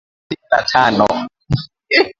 thelathini na tano